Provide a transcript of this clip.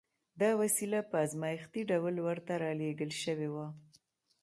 دا وسيله په ازمايښتي ډول ورته را لېږل شوې وه.